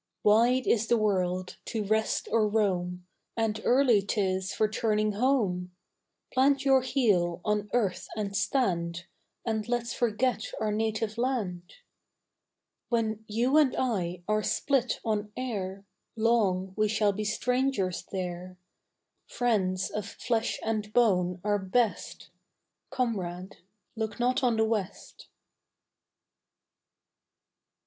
Wide is the world, to rest or roam, And early 'tis for turning home: Plant your heel on earth and stand, And let's forget our native land. When you and I are split on air Long we shall be strangers there; Friends of flesh and bone are best; Comrade, look not on the west.